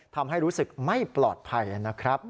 ทำให้รู้สึกไม่ปลอดภัยนะครับ